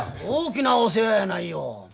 大きなお世話やないよ。